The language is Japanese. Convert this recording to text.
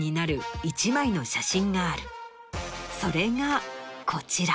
それがこちら。